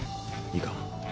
いいか？